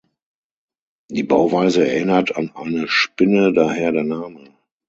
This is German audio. Die Bauweise erinnert an eine Spinne, daher der Name.